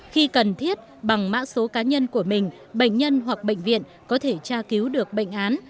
khi cần thiết bằng mã số cá nhân của mình bệnh nhân hoặc bệnh viện có thể tra cứu được bệnh án